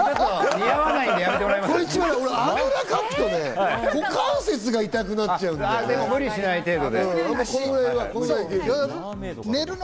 あぐらかくとね、股関節が痛くなっちゃうんだよね。